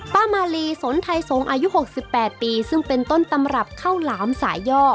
ป้ามาลีสนไทยสงศ์อายุ๖๘ปีซึ่งเป็นต้นตำรับข้าวหลามสายย่อ